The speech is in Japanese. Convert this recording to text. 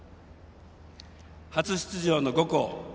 初出場の５校。